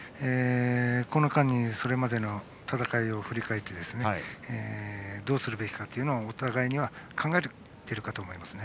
この間にそれまでの戦いを振り返ってどうすべきかをお互いに考えているかと思います。